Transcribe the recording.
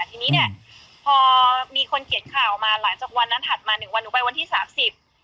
ทีนี้เนี้ยพอมีคนเขียนข่าวมาหลังจากวันนั้นถัดมาหนึ่งวันหนูไปวันที่สามสิบ